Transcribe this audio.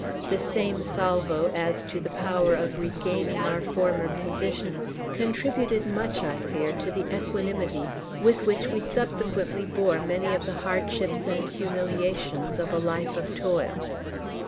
This same salvo, as to the power of regaining our former position, contributed much, I fear, to the equanimity with which we subsequently bore many of the hardships and humiliations of a life of toil.